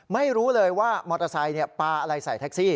ไม่รู้เลยว่ามอเตอร์ไซค์ปลาอะไรใส่แท็กซี่